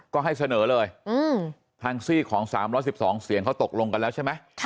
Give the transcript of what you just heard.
ก็ให้เสนอเลยทางซีกของ๓๑๒เสียงเขาตกลงกันแล้วใช่ไหม